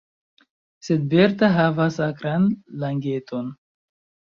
Sed Berta havas akran langeton.